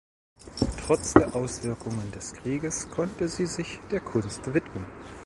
Trotz der Auswirkungen des Krieges konnte sie sich der Kunst widmen.